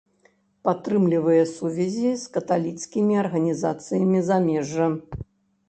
Падтрымлівае сувязі з каталіцкімі арганізацыямі замежжа.